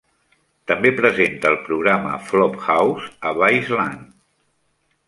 També presenta el programa Flophouse a Viceland.